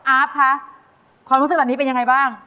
อาร์ฟคะความรู้สึกครับเป็นอย่างไงบ้าง